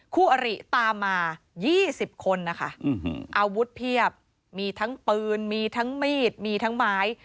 คู่อริตามมา๒๐คนนะคะอาวุธเพียบมีทั้งปืนมีทั้งมีดมีทั้งไม้